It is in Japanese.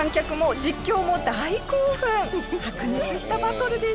白熱したバトルでした。